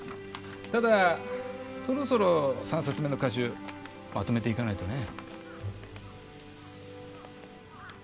ただそろそろ３冊目の歌集まとめていかないとね。